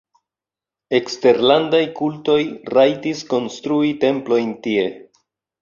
Eksterlandaj kultoj rajtis konstrui templojn tie.